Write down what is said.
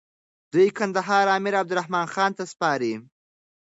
دوی کندهار امير عبدالرحمن خان ته سپاري.